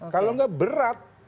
kalau enggak berat